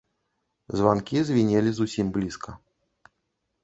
Званкі звінелі зусім блізка.